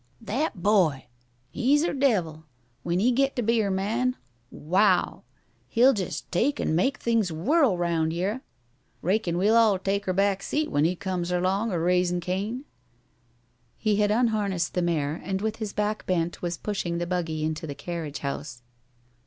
"That boy! He's er devil! When he get to be er man wow! He'll jes take an' make things whirl round yere. Raikon we'll all take er back seat when he come erlong er raisin' Cain." He had unharnessed the mare, and with his back bent was pushing the buggy into the carriage house.